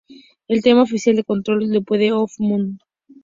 El tema oficial fue "Control", de Puddle of Mudd.